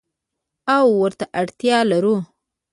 او ورته اړتیا لرو.